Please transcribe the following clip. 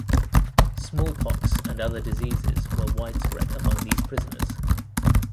Smallpox and other diseases were widespread among these prisoners.